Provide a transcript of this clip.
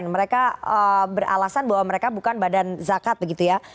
mereka beralasan bahwa mereka bukan badan zakat begitu ya